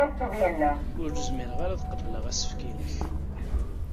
Ur zmireɣ ad qebleɣ asefk-nnek.